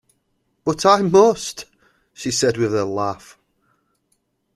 "But I must," she said with a laugh.